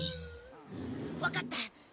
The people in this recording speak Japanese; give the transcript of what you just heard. わかった。